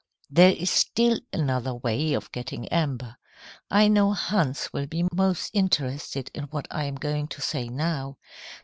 "There is still another way of getting amber. I know Hans will be most interested in what I am going to say now.